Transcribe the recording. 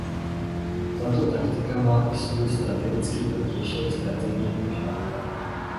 Tato taktika má i svůj strategický protějšek v strategii pružné obrany.